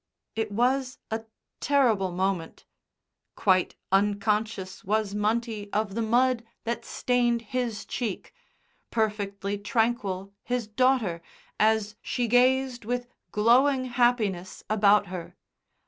It was a terrible moment. Quite unconscious was Munty of the mud that stained his cheek, perfectly tranquil his daughter as she gazed with glowing happiness about her.